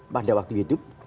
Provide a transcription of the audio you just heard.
pada waktu hidup